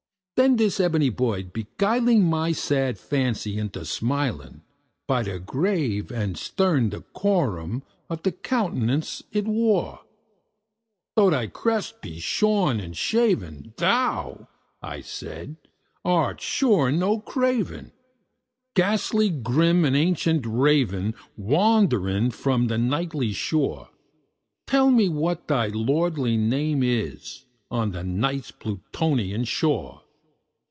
Then this ebony bird beguiling my sad fancy into smiling, By the grave and stern decorum of the countenance it wore, "Though thy crest be shorn and shaven, thou," I said, "art sure no craven, Ghastly grim and ancient Raven wandering from the Nightly shore Tell me what thy lordly name is on the Night's Plutonian shore!"